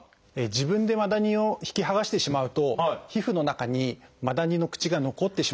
自分でマダニを引き剥がしてしまうと皮膚の中にマダニの口が残ってしまうことがあります。